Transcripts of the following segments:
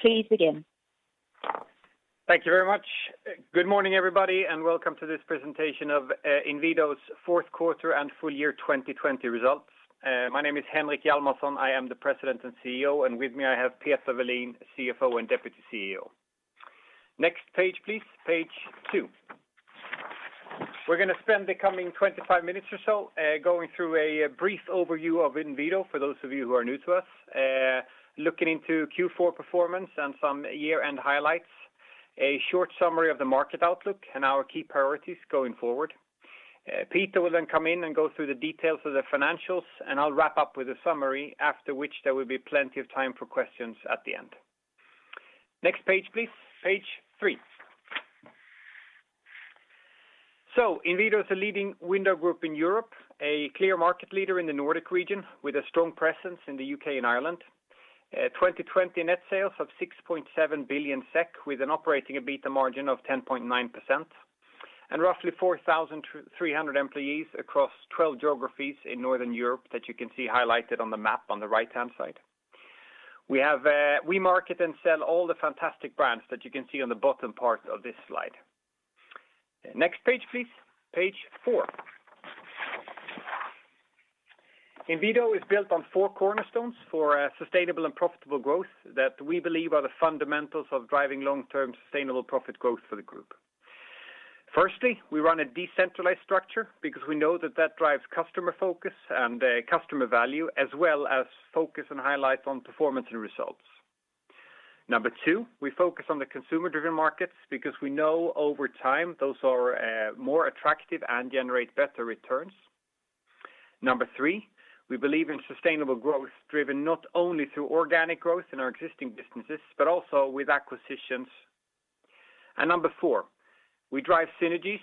Please begin. Thank you very much. Good morning, everybody, welcome to this presentation of Inwido's fourth quarter and full year 2020 results. My name is Henrik Hjalmarsson. I am the President and CEO. With me I have Peter Welin, CFO and Deputy CEO. Next page, please. Page two. We're going to spend the coming 25 minutes or so going through a brief overview of Inwido for those of you who are new to us, looking into Q4 performance and some year-end highlights, a short summary of the market outlook and our key priorities going forward. Peter will come in and go through the details of the financials. I'll wrap up with a summary after which there will be plenty of time for questions at the end. Next page, please. Page three. Inwido is a leading window group in Europe, a clear market leader in the Nordic region with a strong presence in the U.K. and Ireland. 2020 net sales of 6.7 billion SEK with an operating EBITDA margin of 10.9%, and roughly 4,300 employees across 12 geographies in Northern Europe that you can see highlighted on the map on the right-hand side. We market and sell all the fantastic brands that you can see on the bottom part of this slide. Next page, please. Page four. Inwido is built on four cornerstones for sustainable and profitable growth that we believe are the fundamentals of driving long-term sustainable profit growth for the group. Firstly, we run a decentralized structure because we know that that drives customer focus and customer value, as well as focus and highlights on performance and results. Number two, we focus on the consumer-driven markets because we know over time those are more attractive and generate better returns. Number three, we believe in sustainable growth driven not only through organic growth in our existing businesses, but also with acquisitions. Number four, we drive synergies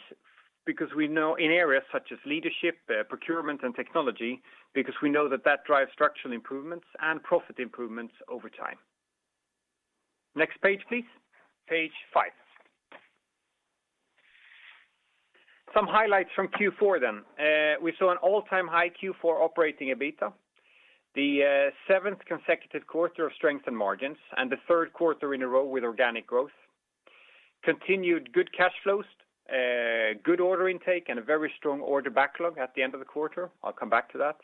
in areas such as leadership, procurement, and technology because we know that that drives structural improvements and profit improvements over time. Next page, please. Page five. Some highlights from Q4 then. We saw an all-time high Q4 operating EBITDA, the seventh consecutive quarter of strength and margins, and the third quarter in a row with organic growth. Continued good cash flows, good order intake, and a very strong order backlog at the end of the quarter. I will come back to that.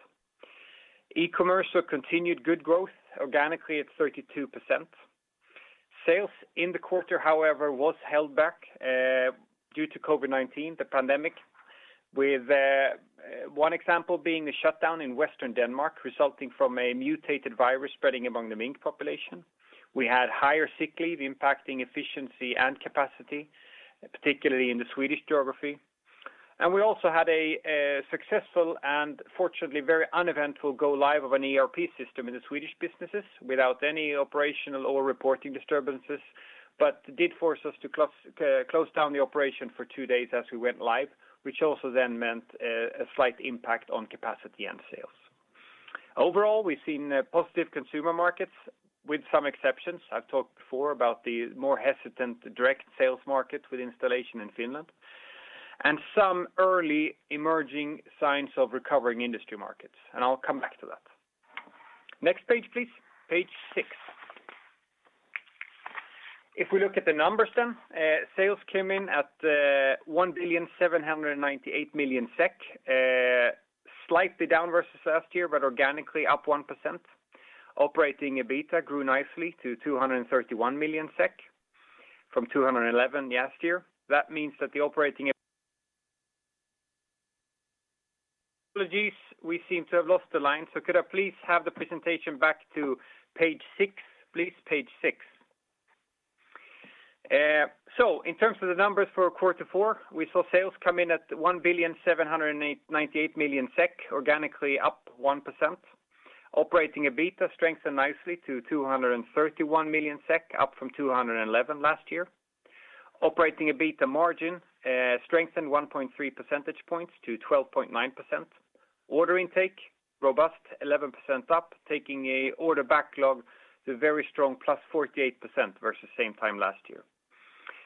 E-commerce saw continued good growth, organically at 32%. Sales in the quarter, however, was held back due to COVID-19, the pandemic, with one example being the shutdown in Western Denmark resulting from a mutated virus spreading among the mink population. We had higher sick leave impacting efficiency and capacity, particularly in the Swedish geography. We also had a successful and fortunately very uneventful go live of an ERP system in the Swedish businesses without any operational or reporting disturbances, but did force us to close down the operation for two days as we went live, which also then meant a slight impact on capacity and sales. Overall, we've seen positive consumer markets with some exceptions. I've talked before about the more hesitant direct sales market with installation in Finland, and some early emerging signs of recovering industry markets, and I'll come back to that. Next page, please. Page six. If we look at the numbers, sales came in at 1,798,000,000 SEK, slightly down versus last year, but organically up 1%. Operating EBITDA grew nicely to 231,000,000 SEK from 211 last year. Apologies, we seem to have lost the line. Could I please have the presentation back to page six? Please, page six. In terms of the numbers for quarter four, we saw sales come in at 1,798,000,000 SEK, organically up 1%. Operating EBITDA strengthened nicely to 231,000,000 SEK, up from 211 last year. Operating EBITDA margin strengthened 1.3 percentage points to 12.9%. Order intake, robust, 11% up, taking an order backlog to very strong, +48% versus same time last year.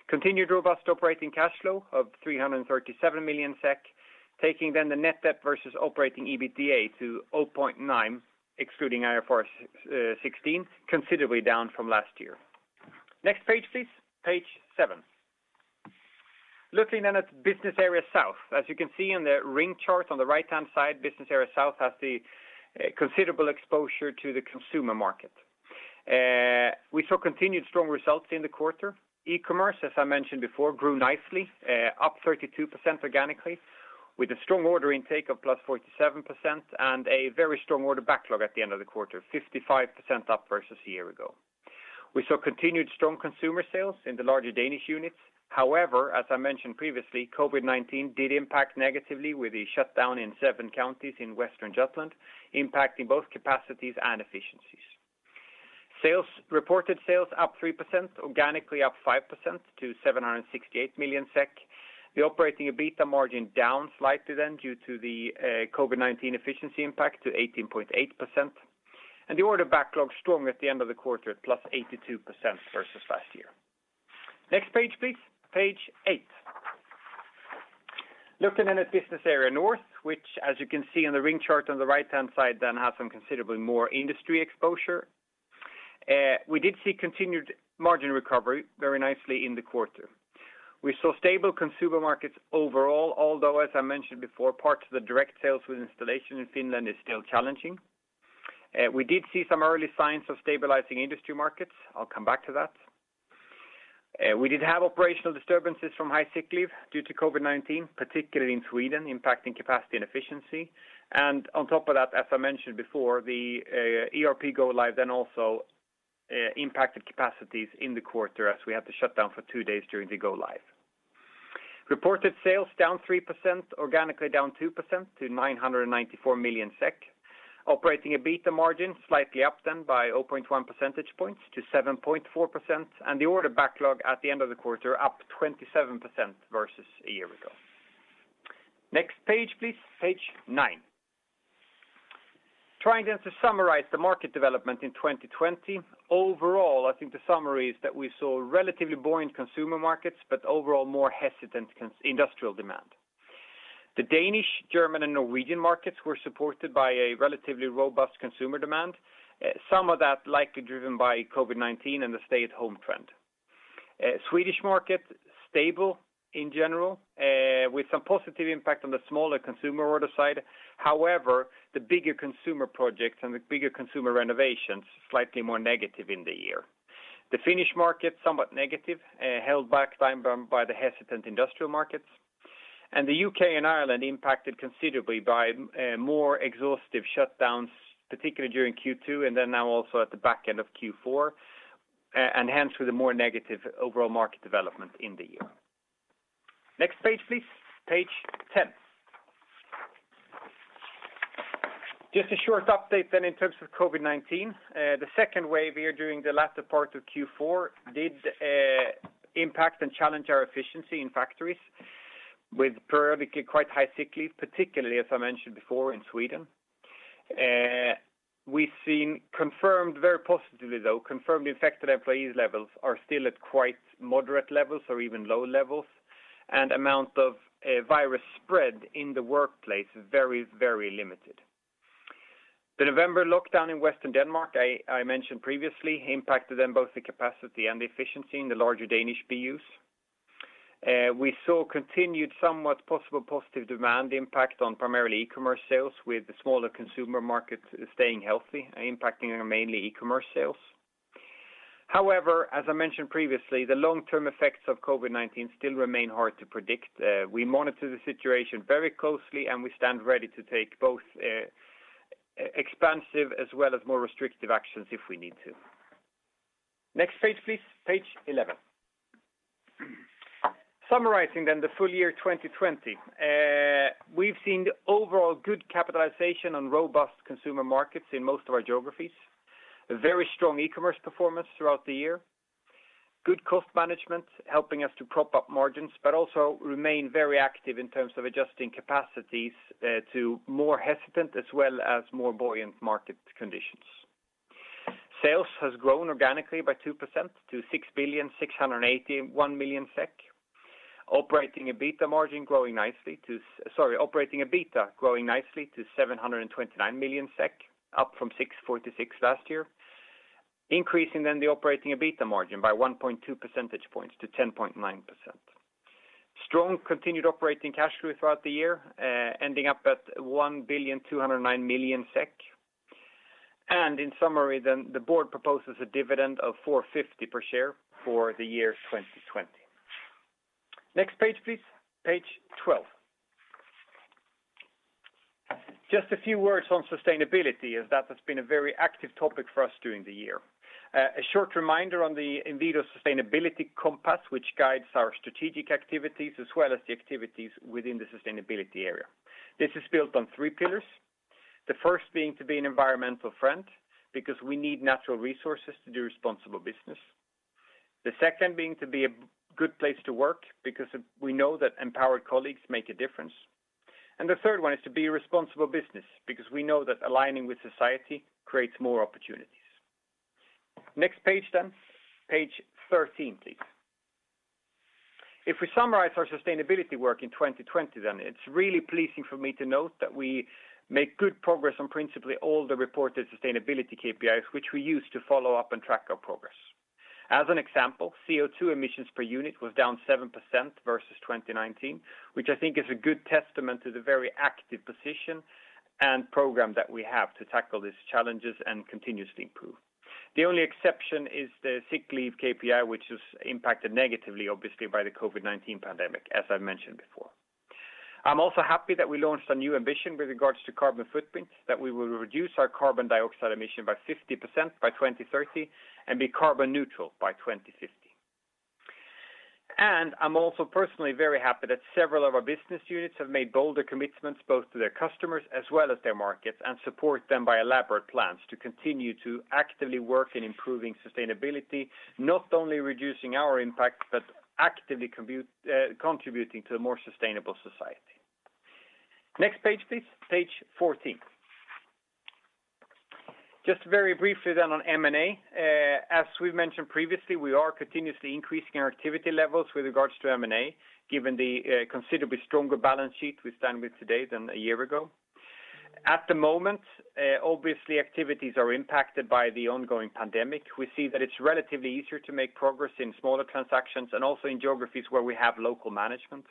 Continued robust operating cash flow of 337,000,000 SEK, taking then the net debt versus operating EBITDA to 0.9, excluding IFRS 16, considerably down from last year. Next page, please. Page seven. Looking at Business Area South. As you can see in the ring chart on the right-hand side, Business Area South has the considerable exposure to the consumer market. We saw continued strong results in the quarter. E-commerce, as I mentioned before, grew nicely, up 32% organically, with a strong order intake of +47% and a very strong order backlog at the end of the quarter, 55% up versus a year ago. We saw continued strong consumer sales in the larger Danish units. However, as I mentioned previously, COVID-19 did impact negatively with a shutdown in seven counties in Western Jutland, impacting both capacities and efficiencies. Reported sales up 3%, organically up 5% to 768 million SEK. The operating EBITDA margin down slightly due to the COVID-19 efficiency impact to 18.8%. The order backlog strong at the end of the quarter at +82% versus last year. Next page, please. Page eight. Looking then at Business Area North, which as you can see on the ring chart on the right-hand side, has some considerably more industry exposure. We did see continued margin recovery very nicely in the quarter. We saw stable consumer markets overall, although, as I mentioned before, parts of the direct sales with installation in Finland is still challenging. We did see some early signs of stabilizing industry markets. I'll come back to that. We did have operational disturbances from high sick leave due to COVID-19, particularly in Sweden, impacting capacity and efficiency. On top of that, as I mentioned before, the ERP go-live also impacted capacities in the quarter as we had to shut down for two days during the go-live. Reported sales down 3%, organically down 2% to 994 million SEK. Operating EBITDA margin slightly up then by 0.1 percentage points to 7.4%, and the order backlog at the end of the quarter up 27% versus a year ago. Next page, please. Page nine. Trying to summarize the market development in 2020. Overall, I think the summary is that we saw relatively buoyant consumer markets, but overall more hesitant industrial demand. The Danish, German, and Norwegian markets were supported by a relatively robust consumer demand, some of that likely driven by COVID-19 and the stay-at-home trend. Swedish market, stable in general, with some positive impact on the smaller consumer order side. However, the bigger consumer projects and the bigger consumer renovations, slightly more negative in the year. The Finnish market, somewhat negative, held back then by the hesitant industrial markets, and the U.K. and Ireland impacted considerably by more exhaustive shutdowns, particularly during Q2 and then now also at the back end of Q4, and hence with a more negative overall market development in the year. Next page, please. Page 10. Just a short update then in terms of COVID-19. The second wave here during the latter part of Q4 did impact and challenge our efficiency in factories with periodically quite high sick leave, particularly, as I mentioned before, in Sweden. We've seen confirmed very positively, though, confirmed infected employees levels are still at quite moderate levels or even low levels, and amount of virus spread in the workplace is very limited. The November lockdown in Western Denmark, I mentioned previously, impacted then both the capacity and the efficiency in the larger Danish BUs. We saw continued somewhat possible positive demand impact on primarily e-commerce sales, with the smaller consumer markets staying healthy, impacting our mainly e-commerce sales. However, as I mentioned previously, the long-term effects of COVID-19 still remain hard to predict. We monitor the situation very closely, and we stand ready to take both expansive as well as more restrictive actions if we need to. Next page, please. Page 11. Summarizing the full year 2020. We've seen overall good capitalization on robust consumer markets in most of our geographies. A very strong e-commerce performance throughout the year. Good cost management, helping us to prop up margins, but also remain very active in terms of adjusting capacities to more hesitant as well as more buoyant market conditions. Sales has grown organically by 2% to 6,681 million SEK. Operating EBITDA growing nicely to 729 million SEK, up from 646 last year. Increasing the operating EBITDA margin by 1.2 percentage points to 10.9%. Strong continued operating cash flow throughout the year, ending up at 1,209,000,000 SEK. In summary then, the board proposes a dividend of 4.50 per share for the year 2020. Next page, please. Page 12. Just a few words on sustainability, as that has been a very active topic for us during the year. A short reminder on the Inwido Sustainability Compass, which guides our strategic activities as well as the activities within the sustainability area. This is built on three pillars, the first being to be an environmental friend, because we need natural resources to do responsible business. The second being to be a good place to work, because we know that empowered colleagues make a difference. The third one is to be a responsible business, because we know that aligning with society creates more opportunities. Next page then. Page 13, please. If we summarize our sustainability work in 2020, then it's really pleasing for me to note that we make good progress on principally all the reported sustainability KPIs, which we use to follow up and track our progress. As an example, CO2 emissions per unit was down 7% versus 2019, which I think is a good testament to the very active position and program that we have to tackle these challenges and continuously improve. The only exception is the sick leave KPI, which is impacted negatively, obviously, by the COVID-19 pandemic, as I mentioned before. I'm also happy that we launched a new ambition with regards to carbon footprint, that we will reduce our carbon dioxide emission by 50% by 2030 and be carbon neutral by 2050. I'm also personally very happy that several of our business units have made bolder commitments, both to their customers as well as their markets, and support them by elaborate plans to continue to actively work in improving sustainability, not only reducing our impact, but actively contributing to a more sustainable society. Next page, please. Page 14. Just very briefly then on M&A. As we've mentioned previously, we are continuously increasing our activity levels with regards to M&A, given the considerably stronger balance sheet we stand with today than a year ago. At the moment, obviously activities are impacted by the ongoing pandemic. We see that it's relatively easier to make progress in smaller transactions and also in geographies where we have local management.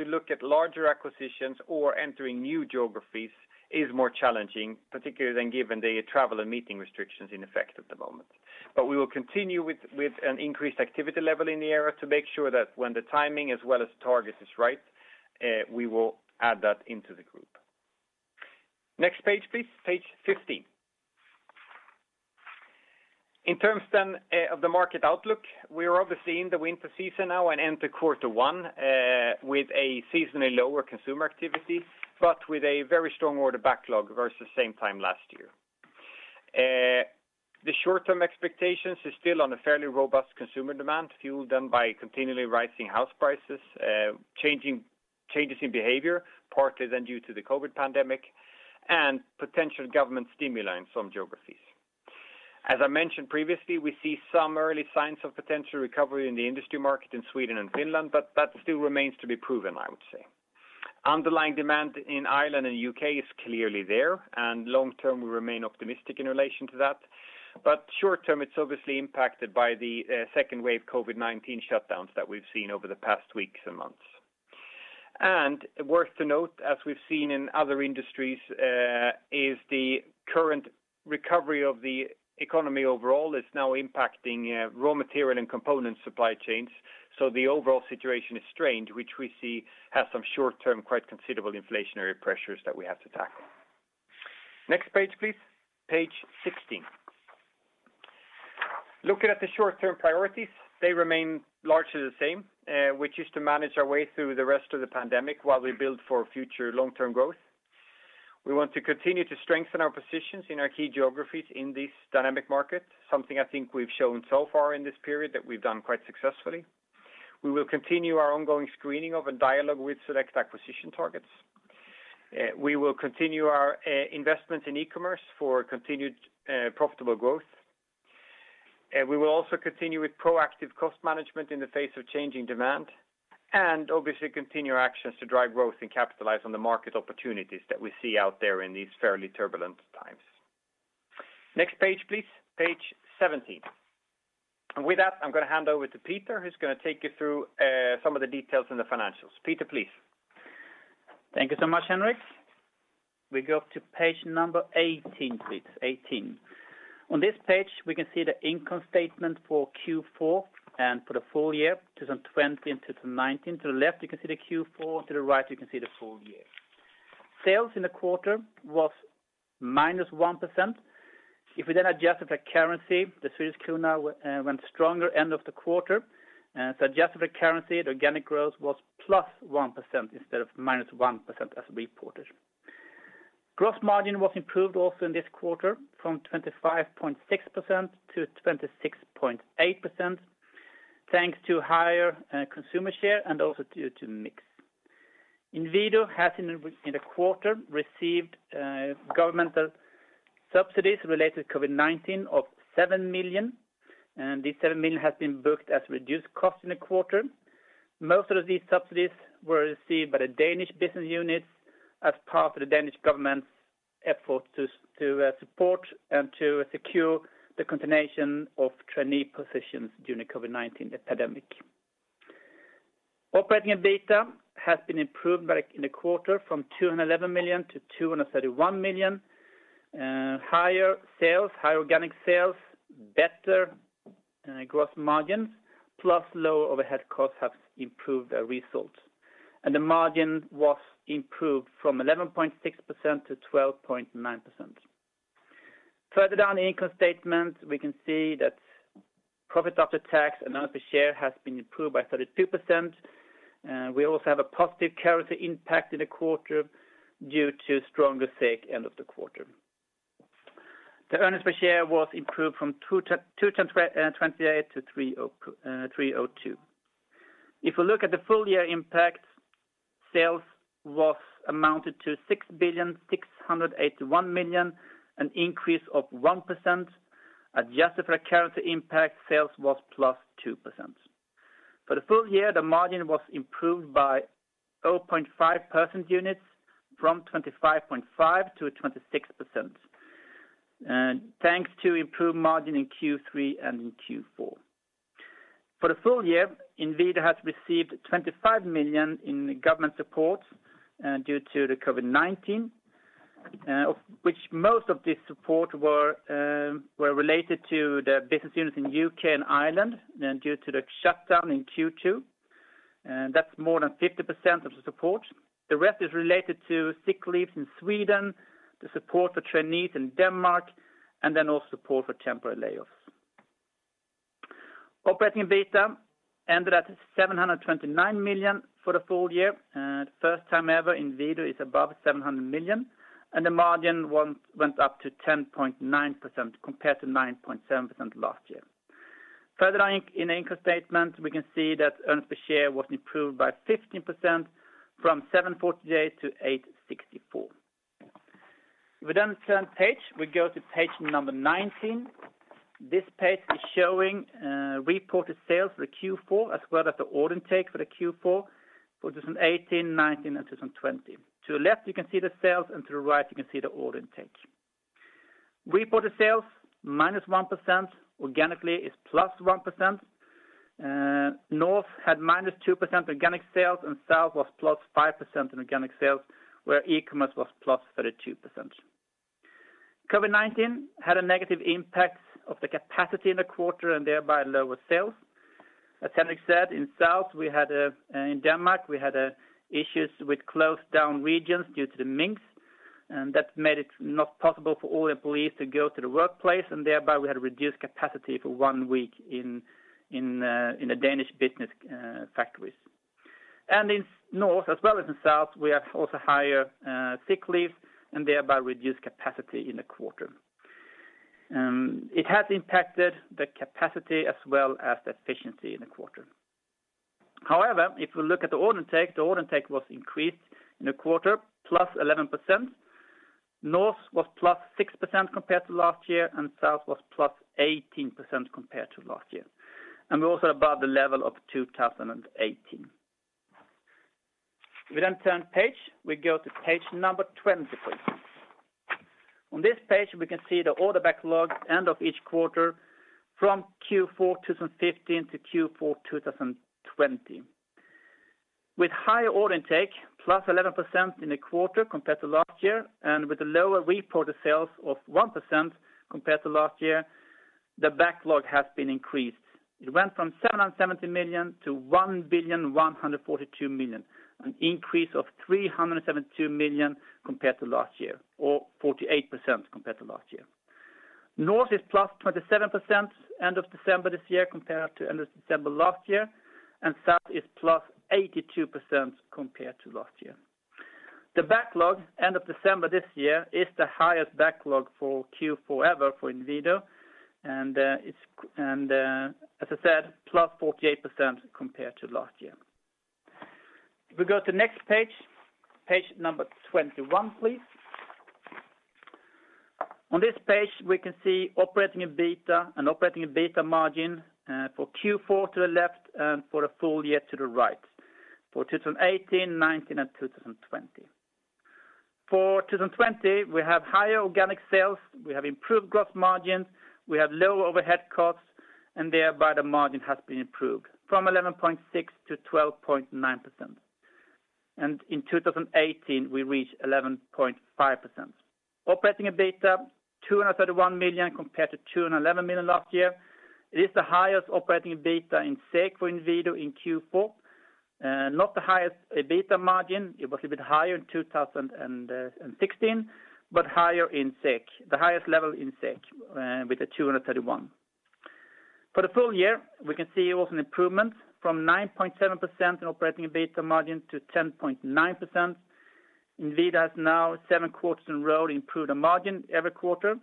To look at larger acquisitions or entering new geographies is more challenging, particularly given the travel and meeting restrictions in effect at the moment. We will continue with an increased activity level in the area to make sure that when the timing as well as target is right, we will add that into the group. Next page, please. Page 15. In terms then of the market outlook, we are obviously in the winter season now and enter quarter one with a seasonally lower consumer activity, but with a very strong order backlog versus same time last year. The short-term expectations is still on a fairly robust consumer demand, fueled then by continually rising house prices, changes in behavior, partly then due to the COVID-19 pandemic, and potential government stimuli in some geographies. As I mentioned previously, we see some early signs of potential recovery in the industry market in Sweden and Finland, but that still remains to be proven, I would say. Underlying demand in Ireland and U.K. is clearly there, and long term we remain optimistic in relation to that. Short term, it's obviously impacted by the second wave COVID-19 shutdowns that we've seen over the past weeks and months. Worth to note, as we've seen in other industries, is the current recovery of the economy overall is now impacting raw material and component supply chains. The overall situation is strained, which we see has some short-term, quite considerable inflationary pressures that we have to tackle. Next page, please. Page 16. Looking at the short-term priorities, they remain largely the same, which is to manage our way through the rest of the pandemic while we build for future long-term growth. We want to continue to strengthen our positions in our key geographies in this dynamic market, something I think we've shown so far in this period that we've done quite successfully. We will continue our ongoing screening of a dialogue with select acquisition targets. We will continue our investment in e-commerce for continued profitable growth. We will also continue with proactive cost management in the face of changing demand, and obviously continue our actions to drive growth and capitalize on the market opportunities that we see out there in these fairly turbulent times. Next page, please. Page 17. With that, I'm going to hand over to Peter, who's going to take you through some of the details in the financials. Peter, please. Thank you so much, Henrik. We go to page number 18, please. 18. On this page, we can see the income statement for Q4 and for the full year, 2020 and 2019. To the left, you can see the Q4, to the right, you can see the full year. Sales in the quarter was -1%. If we adjusted for currency, the Swedish krona went stronger end of the quarter. Adjusted for currency, the organic growth was +1% instead of -1% as reported. Gross margin was improved also in this quarter from 25.6% to 26.8%, thanks to higher consumer share and also due to mix. Inwido has, in the quarter, received governmental subsidies related to COVID-19 of 7 million, and this 7 million has been booked as reduced cost in the quarter. Most of these subsidies were received by the Danish business unit as part of the Danish government's effort to support and to secure the continuation of trainee positions during the COVID-19 epidemic. Operating EBITDA has been improved in the quarter from 211 million to 231 million. Higher sales, higher organic sales, better gross margins, plus lower overhead costs have improved the result. The margin was improved from 11.6% to 12.9%. Further down the income statement, we can see that profit after tax and earnings per share has been improved by 32%. We also have a positive currency impact in the quarter due to stronger SEK end of the quarter. The earnings per share was improved from 2.28 to 3.02. If we look at the full year impact, sales was amounted to 6,681 million, an increase of 1%. Adjusted for currency impact, sales was +2%. For the full year, the margin was improved by 0.5 percentage points from 25.5% to 26%, thanks to improved margin in Q3 and in Q4. For the full year, Inwido has received 25 million in government support due to the COVID-19, which most of this support were related to the business units in U.K. and Ireland due to the shutdown in Q2. That's more than 50% of the support. The rest is related to sick leaves in Sweden, the support for trainees in Denmark, and then also support for temporary layoffs. Operating EBITDA ended at 729 million for the full year. First time ever Inwido is above 700 million, and the margin went up to 10.9% compared to 9.7% last year. Further in the income statement, we can see that earnings per share was improved by 15% from 7.48 to 8.64. We then turn page, we go to page number 19. This page is showing reported sales for the Q4 as well as the order intake for the Q4 for 2018, 2019, and 2020. To the left, you can see the sales, and to the right, you can see the order intake. Reported sales, -1%, organically is +1%. North had -2% organic sales, and South was +5% in organic sales, where e-commerce was +32%. COVID-19 had a negative impact of the capacity in the quarter and thereby lower sales. As Henrik said, in South, in Denmark, we had issues with closed down regions due to the minks, and that made it not possible for all the employees to go to the workplace, and thereby we had reduced capacity for one week in the Danish business factories. In North as well as in South, we have also higher sick leave and thereby reduced capacity in the quarter. It has impacted the capacity as well as the efficiency in the quarter. However, if we look at the order intake, the order intake was increased in the quarter +11%. North was +6% compared to last year, and South was +18% compared to last year. We're also above the level of 2018. We then turn page, we go to page number 20, please. On this page, we can see the order backlog end of each quarter from Q4 2015 to Q4 2020. With higher order intake, +11% in the quarter compared to last year, and with the lower reported sales of -1% compared to last year, the backlog has been increased. It went from 770 million to 1,142 million, an increase of 372 million compared to last year, or 48% compared to last year. North is +27% end of December this year compared to end of December last year, and South is +82% compared to last year. The backlog end of December this year is the highest backlog for Q4 ever for Inwido, and as I said, +48% compared to last year. If we go to next page 21, please. On this page, we can see operating EBITDA and operating EBITDA margin for Q4 to the left and for the full year to the right for 2018, 2019, and 2020. For 2020, we have higher organic sales, we have improved gross margins, we have lower overhead costs, thereby the margin has been improved from 11.6% to 12.9%. In 2018, we reached 11.5%. Operating EBITDA, 231 million compared to 211 million last year. It is the highest operating EBITDA in SEK for Inwido in Q4. Not the highest EBITDA margin. It was a bit higher in 2016, but higher in SEK. The highest level in SEK with the 231. For the full year, we can see also an improvement from 9.7% in operating EBITDA margin to 10.9%. Inwido has now seven quarters in a row improved the margin every quarter,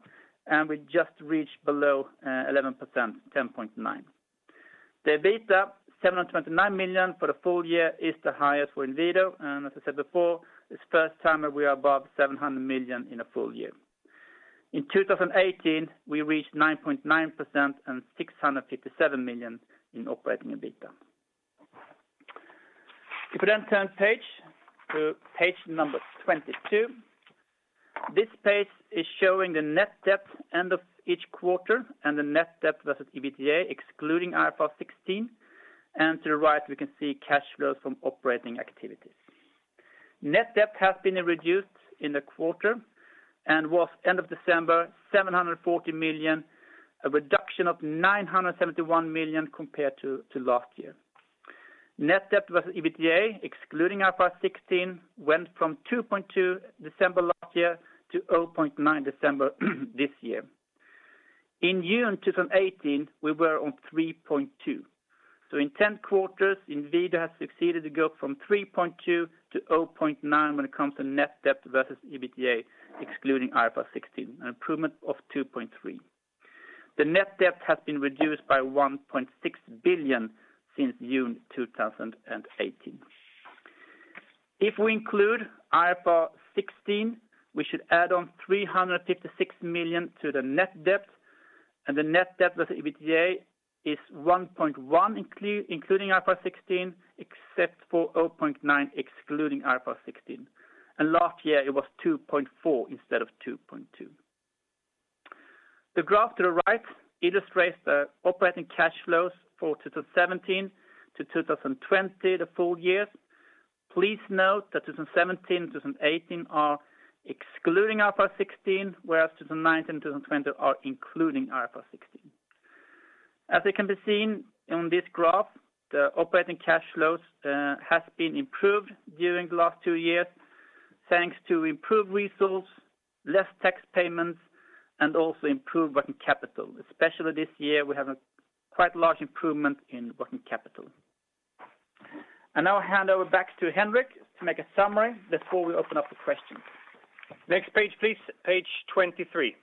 and we just reached below 11%, 10.9%. The EBITDA, 729 million for the full year is the highest for Inwido. As I said before, it's first time that we are above 700 million in a full year. In 2018, we reached 9.9% and 657 million in operating EBITDA. If we then turn page to page number 22. This page is showing the net debt end of each quarter and the net debt versus EBITDA excluding IFRS 16. To the right, we can see cash flows from operating activities. Net debt has been reduced in the quarter and was end of December, 740 million, a reduction of 971 million compared to last year. Net debt versus EBITDA excluding IFRS 16 went from 2.2 December last year to 0.9 December this year. In June 2018, we were on 3.2. In 10 quarters, Inwido has succeeded to go from 3.2 to 0.9 when it comes to net debt versus EBITDA excluding IFRS 16, an improvement of 2.3. The net debt has been reduced by 1.6 billion since June 2018. If we include IFRS 16, we should add on 356 million to the net debt, and the net debt versus EBITDA is 1.1 including IFRS 16, except for 0.9 excluding IFRS 16. Last year it was 2.4 instead of 2.2. The graph to the right illustrates the operating cash flows for 2017 to 2020, the full years. Please note that 2017, 2018 are excluding IFRS 16, whereas 2019, 2020 are including IFRS 16. As it can be seen on this graph, the operating cash flows has been improved during the last two years, thanks to improved resource, less tax payments, and also improved working capital. Especially this year, we have a quite large improvement in working capital. I now hand over back to Henrik to make a summary before we open up for questions. Next page, please. Page 23.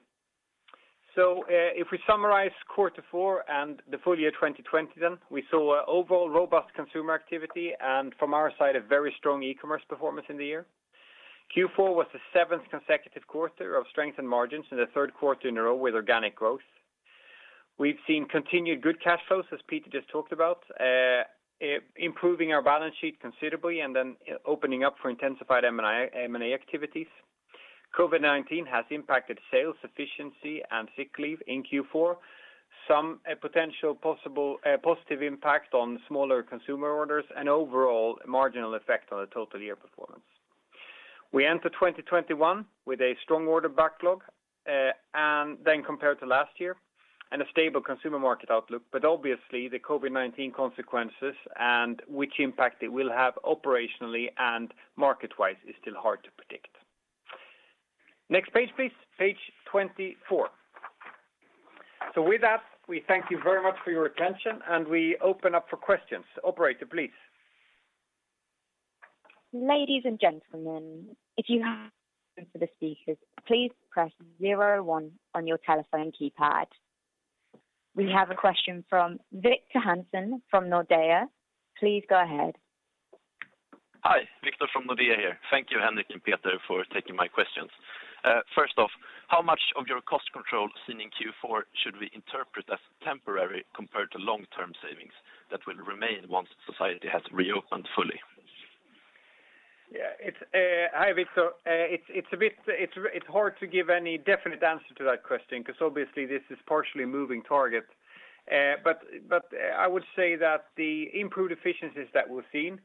If we summarize quarter four and the full year 2020, then we saw overall robust consumer activity, and from our side, a very strong e-commerce performance in the year. Q4 was the seventh consecutive quarter of strength and margins, and the third quarter in a row with organic growth. We've seen continued good cash flows, as Peter just talked about, improving our balance sheet considerably and then opening up for intensified M&A activities. COVID-19 has impacted sales efficiency and sick leave in Q4, some potential positive impact on smaller consumer orders, and overall marginal effect on the total year performance. We enter 2021 with a strong order backlog than compared to last year, and a stable consumer market outlook. Obviously the COVID-19 consequences and which impact it will have operationally and market-wise is still hard to predict. Next page, please. Page 24. With that, we thank you very much for your attention, and we open up for questions. Operator, please. We have a question from Victor Hansen from Nordea. Please go ahead. Hi. Victor from Nordea here. Thank you, Henrik and Peter, for taking my questions. First off, how much of your cost control seen in Q4 should we interpret as temporary compared to long-term savings that will remain once society has reopened fully? Yeah. Hi, Victor. It's hard to give any definite answer to that question because obviously this is partially a moving target. I would say that the improved efficiencies that we've seen,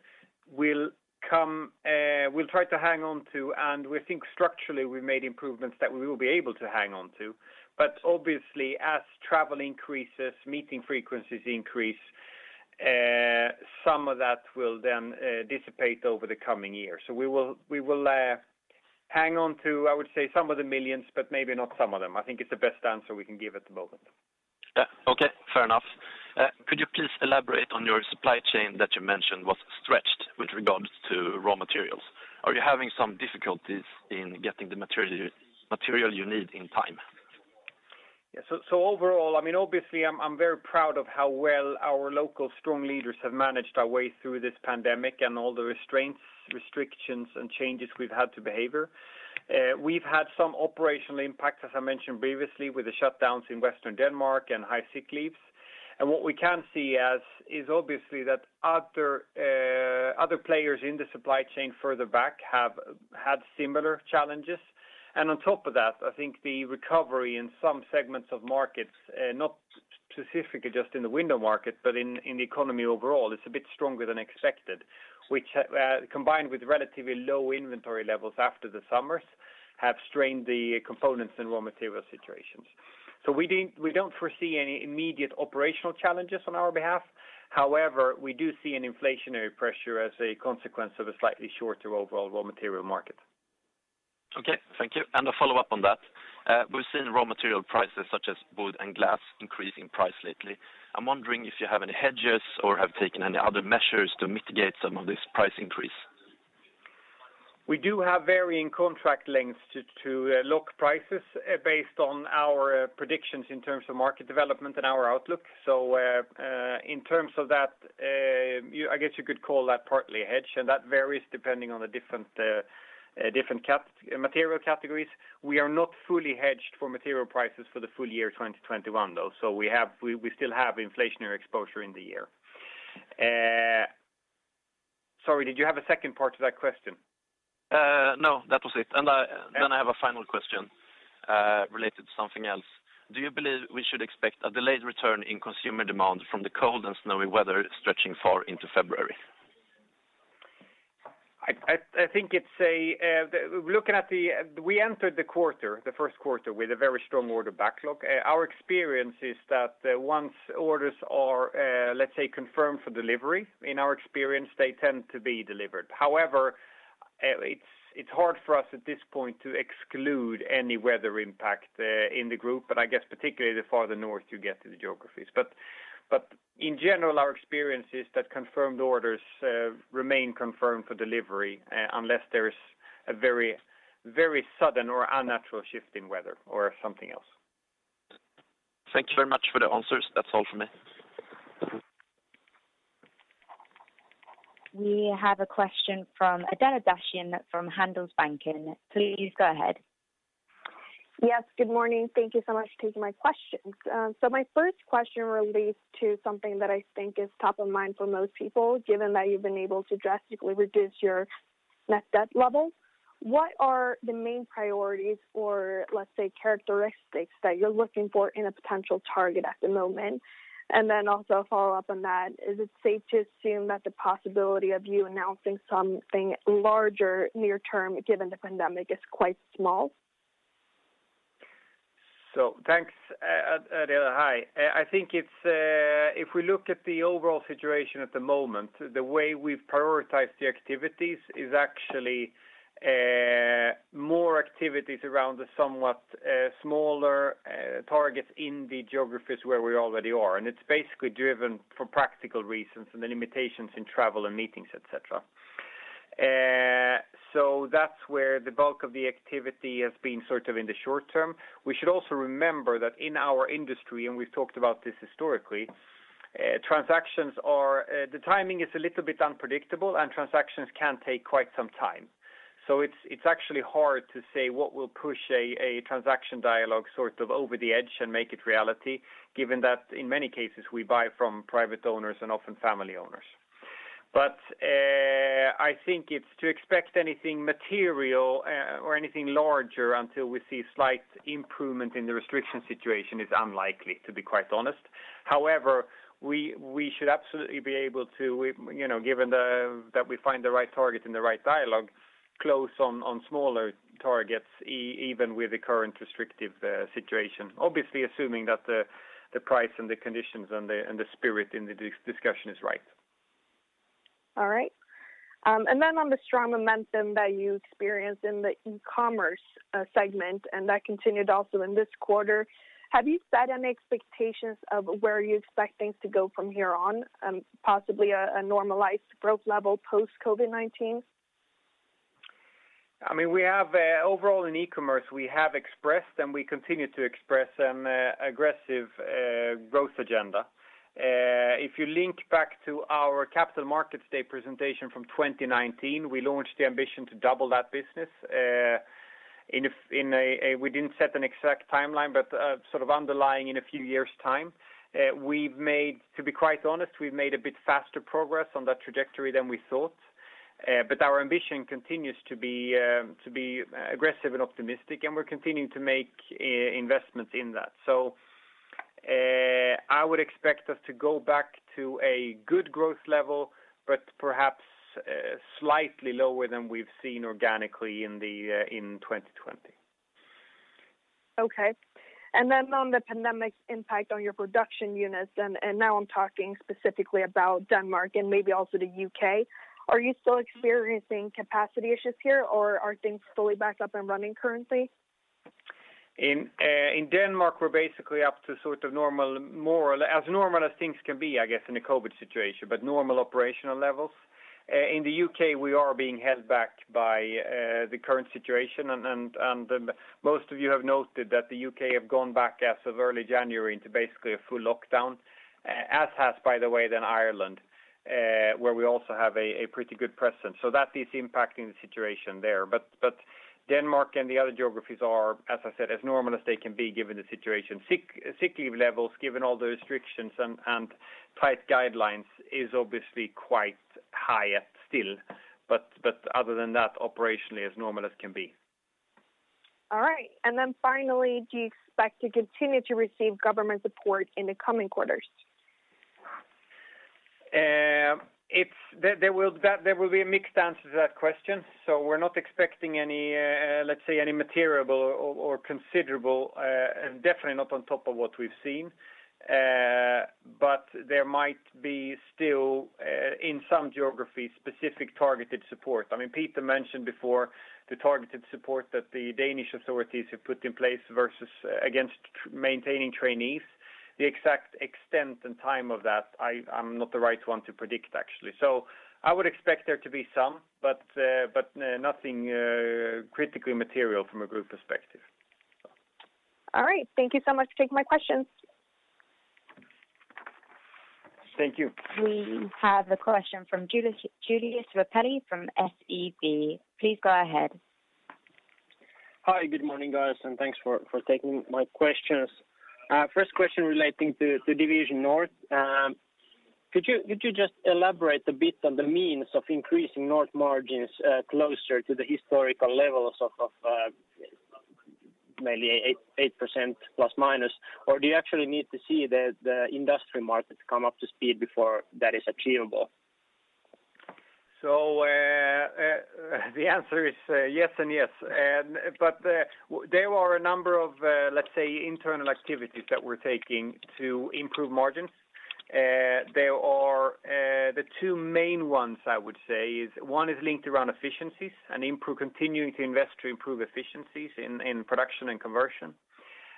we'll try to hang on to, and we think structurally we've made improvements that we will be able to hang on to. Obviously, as travel increases, meeting frequencies increase, some of that will then dissipate over the coming year. We will hang on to, I would say, some of the millions, but maybe not some of them, I think is the best answer we can give at the moment. Yeah. Okay, fair enough. Could you please elaborate on your supply chain that you mentioned was stretched with regards to raw materials? Are you having some difficulties in getting the material you need in time? Yeah. Overall, obviously I'm very proud of how well our local strong leaders have managed our way through this pandemic and all the restraints, restrictions, and changes we've had to behavior. We've had some operational impacts, as I mentioned previously, with the shutdowns in Western Denmark and high sick leaves. What we can see is obviously that other players in the supply chain further back have had similar challenges. On top of that, I think the recovery in some segments of markets, not specifically just in the window market, but in the economy overall, is a bit stronger than expected, which, combined with relatively low inventory levels after the summers, have strained the components and raw material situations. We don't foresee any immediate operational challenges on our behalf. However, we do see an inflationary pressure as a consequence of a slightly shorter overall raw material market. Okay, thank you. A follow-up on that. We've seen raw material prices such as wood and glass increase in price lately. I'm wondering if you have any hedges or have taken any other measures to mitigate some of this price increase? We do have varying contract lengths to lock prices based on our predictions in terms of market development and our outlook. In terms of that, I guess you could call that partly a hedge, and that varies depending on the different material categories. We are not fully hedged for material prices for the full year 2021, though, so we still have inflationary exposure in the year. Sorry, did you have a second part to that question? No, that was it. Okay. I have a final question related to something else. Do you believe we should expect a delayed return in consumer demand from the cold and snowy weather stretching far into February? We entered the first quarter with a very strong order backlog. Our experience is that once orders are, let's say, confirmed for delivery, in our experience, they tend to be delivered. It's hard for us at this point to exclude any weather impact in the group, but I guess particularly the farther north you get to the geographies. In general, our experience is that confirmed orders remain confirmed for delivery, unless there's a very sudden or unnatural shift in weather or something else. Thank you very much for the answers. That's all from me. We have a question from Adela Dashian from Handelsbanken. Please go ahead. Yes, good morning. Thank you so much for taking my questions. My first question relates to something that I think is top of mind for most people, given that you've been able to drastically reduce your net debt level. What are the main priorities, or let's say, characteristics that you're looking for in a potential target at the moment? Also a follow-up on that, is it safe to assume that the possibility of you announcing something larger near-term, given the pandemic, is quite small? Thanks, Adela. Hi. I think if we look at the overall situation at the moment, the way we've prioritized the activities is actually more activities around the somewhat smaller targets in the geographies where we already are. It's basically driven for practical reasons and the limitations in travel and meetings, et cetera. That's where the bulk of the activity has been in the short term. We should also remember that in our industry, and we've talked about this historically, the timing is a little bit unpredictable, and transactions can take quite some time. It's actually hard to say what will push a transaction dialogue over the edge and make it reality, given that, in many cases, we buy from private owners and often family owners. I think to expect anything material or anything larger until we see slight improvement in the restriction situation is unlikely, to be quite honest. However, we should absolutely be able to, given that we find the right target and the right dialogue, close on smaller targets even with the current restrictive situation. Obviously, assuming that the price and the conditions and the spirit in the discussion is right. All right. On the strong momentum that you experienced in the e-commerce segment, and that continued also in this quarter, have you set any expectations of where you expect things to go from here on? Possibly a normalized growth level post COVID-19? Overall in e-commerce, we have expressed, and we continue to express an aggressive growth agenda. If you link back to our Capital Markets Day presentation from 2019, we launched the ambition to double that business. We didn't set an exact timeline, but underlying in a few years' time. To be quite honest, we've made a bit faster progress on that trajectory than we thought. Our ambition continues to be aggressive and optimistic, and we're continuing to make investments in that. I would expect us to go back to a good growth level, but perhaps slightly lower than we've seen organically in 2020. Okay. On the pandemic's impact on your production units, and now I'm talking specifically about Denmark and maybe also the U.K. Are you still experiencing capacity issues here, or are things fully back up and running currently? In Denmark, we're basically up to normal, as normal as things can be, I guess, in a COVID-19 situation, but normal operational levels. In the U.K., we are being held back by the current situation, and most of you have noted that the U.K. have gone back as of early January into basically a full lockdown. As has, by the way, Ireland, where we also have a pretty good presence. That is impacting the situation there. Denmark and the other geographies are, as I said, as normal as they can be, given the situation. Sick leave levels, given all the restrictions and tight guidelines, is obviously quite high still. Other than that, operationally, as normal as can be. All right. finally, do you expect to continue to receive government support in the coming quarters? There will be a mixed answer to that question. We're not expecting any material or considerable, definitely not on top of what we've seen. There might be still, in some geographies, specific targeted support. Peter mentioned before the targeted support that the Danish authorities have put in place versus against maintaining trainees. The exact extent and time of that, I'm not the right one to predict, actually. I would expect there to be some, but nothing critically material from a group perspective. All right. Thank you so much for taking my questions. Thank you. We have a question from Julius Repelli from SEB. Please go ahead. Hi. Good morning, guys, thanks for taking my questions. First question relating to Business Area North. Could you just elaborate a bit on the means of increasing North margins closer to the historical levels of mainly ±8%? Do you actually need to see the industry market come up to speed before that is achievable? The answer is yes and yes. There are a number of internal activities that we're taking to improve margins. The two main ones, I would say, is one is linked around efficiencies and continuing to invest to improve efficiencies in production and conversion.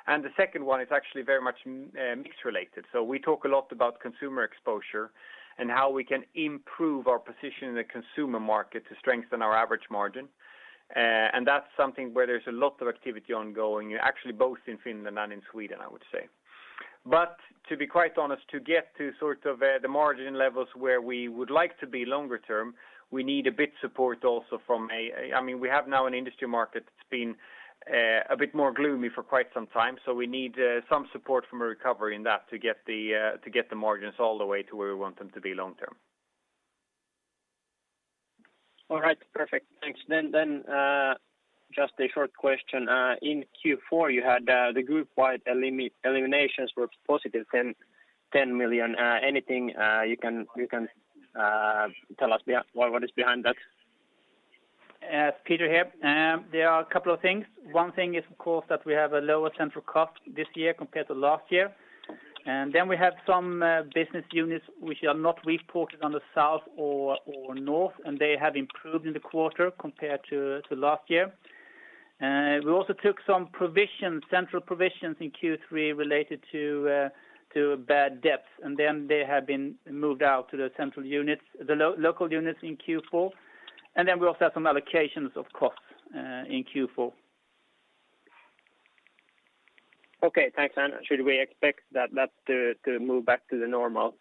The second one is actually very much mix-related. We talk a lot about consumer exposure and how we can improve our position in the consumer market to strengthen our average margin. That's something where there's a lot of activity ongoing, actually both in Finland and in Sweden, I would say. To be quite honest, to get to the margin levels where we would like to be longer term, we need a bit support also. We have now an industry market that's been a bit more gloomy for quite some time. We need some support from a recovery in that to get the margins all the way to where we want them to be long term. All right. Perfect. Thanks. Just a short question. In Q4, you had the group-wide eliminations were positive, 10 million. Anything you can tell us what is behind that? Peter here. There are a couple of things. One thing is, of course, that we have a lower central cost this year compared to last year. Then we have some business units which are not reported under South or North, and they have improved in the quarter compared to last year. We also took some central provisions in Q3 related to bad debt, and then they have been moved out to the local units in Q4. Then we also have some allocations of costs in Q4. Okay, thanks, and should we expect that to move back to the normal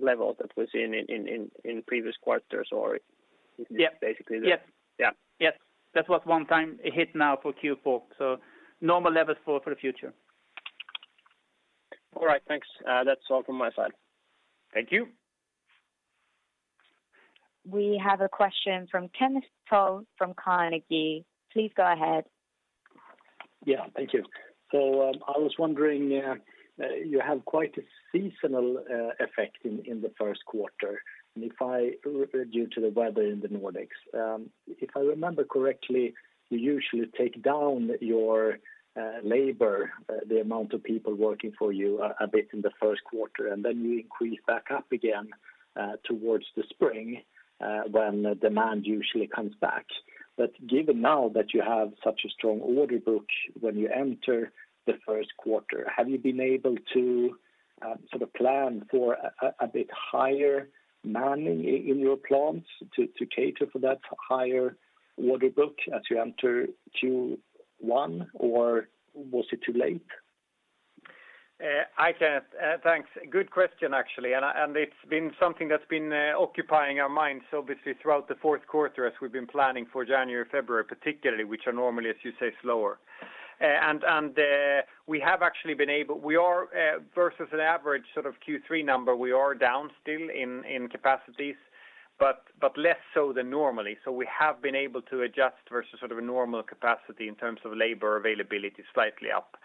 level that was in previous quarters, or is this basically? Yes Yeah. Yes. That was one-time hit now for Q4, so normal levels for the future. All right, thanks. That's all from my side. Thank you. We have a question from Kenneth Trolle from Carnegie. Please go ahead. Yeah, thank you. I was wondering, you have quite a seasonal effect in the first quarter due to the weather in the Nordics. If I remember correctly, you usually take down your labor, the amount of people working for you, a bit in the first quarter, and then you increase back up again towards the spring, when demand usually comes back. Given now that you have such a strong order book when you enter the first quarter, have you been able to sort of plan for a bit higher manning in your plants to cater for that higher order book as you enter Q1, or was it too late? Hi, Kenneth. Thanks. Good question, actually. It's been something that's been occupying our minds obviously throughout the fourth quarter as we've been planning for January, February, particularly, which are normally, as you say, slower. Versus an average sort of Q3 number, we are down still in capacities, less so than normally. We have been able to adjust versus sort of a normal capacity in terms of labor availability slightly up.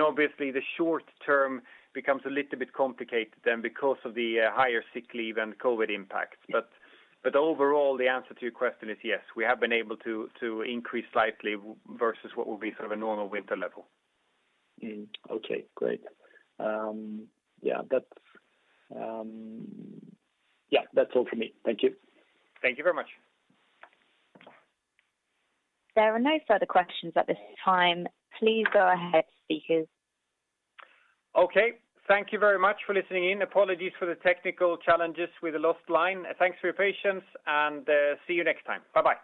Obviously the short term becomes a little bit complicated then because of the higher sick leave and COVID impacts. Overall, the answer to your question is yes, we have been able to increase slightly versus what would be sort of a normal winter level. Okay, great. Yeah that's all from me. Thank you. Thank you very much. There are no further questions at this time. Please go ahead, speakers. Okay. Thank you very much for listening in. Apologies for the technical challenges with the lost line. Thanks for your patience and see you next time. Bye-bye.